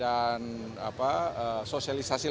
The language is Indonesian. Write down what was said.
dan juga mendapatkan penghargaan yang lebih besar